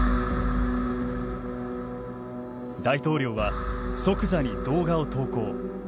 大統領は即座に動画を投稿。